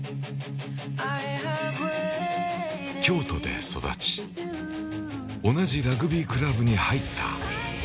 京都で育ち同じラグビークラブに入った。